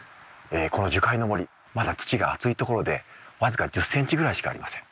この樹海の森まだ土が厚い所で僅か１０ｃｍぐらいしかありません。